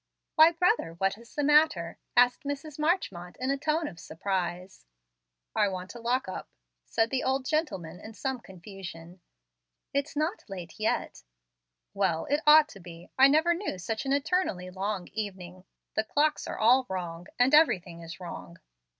"Why, brother, what is the matter?" asked Mrs. Marchmont, in a tone of surprise. "I want to lock up," said the old gentleman, in some confusion. "It's not late, yet." "Well, it ought to be. I never knew such an eternally long evening. The clocks are all wrong, and everything is wrong."